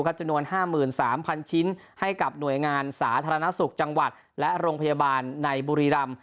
จำนวน๕๓๐๐๐ชิ้นให้กับหน่วยงานสาธารณสุขจังหวัดและโรงพยาบาลในบุรีรำ